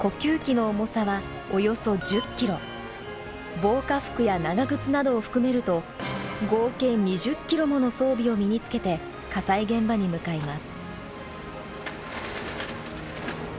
防火服や長靴などを含めると合計２０ｋｇもの装備を身につけて火災現場に向かいます。